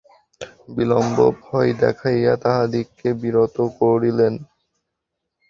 বিল্বন ভয় দেখাইয়া তাহাদিগকে বিরত করিলেন।